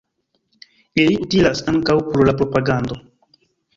Ili utilas ankaŭ por la propagando.